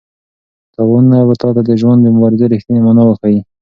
تاوانونه به تا ته د ژوند د مبارزې رښتینې مانا وښيي.